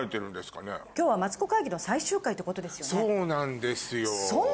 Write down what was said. そうなんですよ。